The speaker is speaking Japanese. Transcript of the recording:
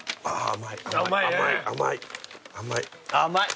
甘い甘い。